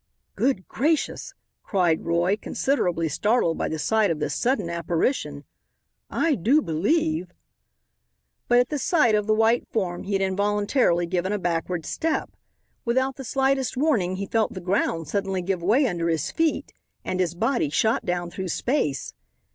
"Good gracious!" cried Roy, considerably startled by the sight of this sudden apparition. "I do believe " But at the sight of the white form he had involuntarily given a backward step. Without the slightest warning he felt the ground suddenly give way under his feet, and his body shot down through space.